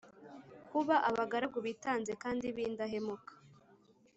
kuba abagaragu bitanze kandi bindahemuka